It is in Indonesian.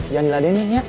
jangan diladenin ya